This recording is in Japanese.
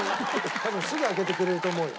多分すぐ開けてくれると思うよ。